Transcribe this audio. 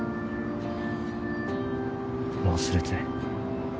忘れて。